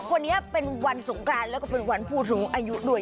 วันนี้เป็นวันสงกรานแล้วก็เป็นวันผู้สูงอายุด้วย